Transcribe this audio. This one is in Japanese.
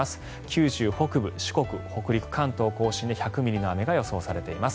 九州北部、四国、北陸関東・甲信で１５０ミリの雨が予想されています。